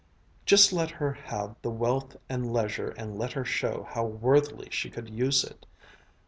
Just let her have the wealth and leisure and let her show how worthily she could use it!